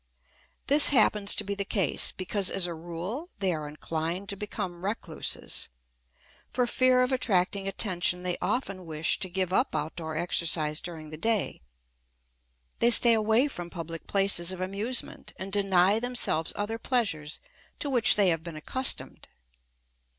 This happens to be the case because, as a rule, they are inclined to become recluses. For fear of attracting attention they often wish to give up outdoor exercise during the day; they stay away from public places of amusement, and deny themselves other pleasures to which they have been accustomed.